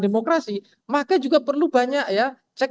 demokrasi maka juga perlu banyak ya cek